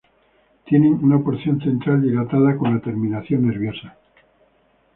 Tienen una porción central dilatada con la terminación nerviosa.